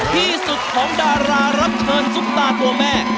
ที่สุดของดารารับเชิญซุปตาตัวแม่